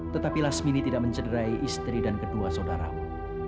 tetapi lasmini tidak mencederai istri dan kedua saudaramu